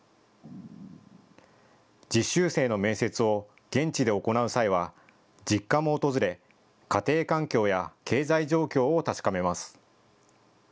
実習生の面接を現地で行う際は実家も訪れ、家庭環境や経済状況を確かめます。